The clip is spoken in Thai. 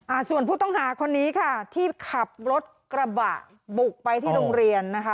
อ่าส่วนผู้ต้องหาคนนี้ค่ะที่ขับรถกระบะบุกไปที่โรงเรียนนะคะ